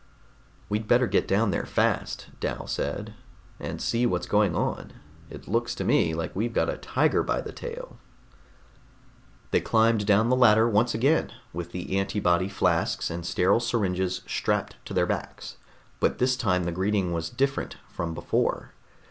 "We'd better get down there fast," Dal said, "and see what's going on. It looks to me like we've got a tiger by the tail...." They climbed down the ladder once again, with the antibody flasks and sterile syringes strapped to their backs. But this time the greeting was different from before.